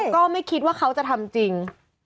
ก็ไม่คิดว่าเขาจะทำจริง